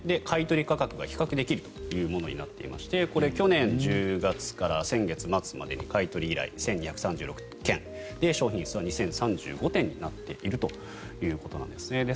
買い取り価格が比較できるというものになっていてこれは去年１０月から先月末までに買い取り依頼が１２３６件商品数は２０３５点になっているということなんですね。